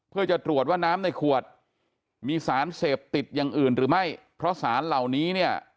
เพื่อจะตรวจว่าน้ำในขวดมีสารเสพติดอย่างอื่นหรือไม่เพราะสารเหล่านี้เนี่ย